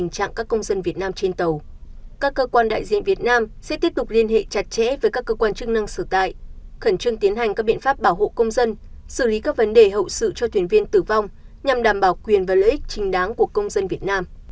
các cơ quan đại diện việt nam sẽ tiếp tục liên hệ chặt chẽ với các cơ quan chức năng sở tại khẩn trương tiến hành các biện pháp bảo hộ công dân xử lý các vấn đề hậu sự cho thuyền viên tử vong nhằm đảm bảo quyền và lợi ích chính đáng của công dân việt nam